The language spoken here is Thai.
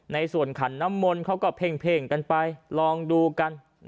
ในส่วนขันน้ำมนต์เขาก็เพ่งกันไปลองดูกัน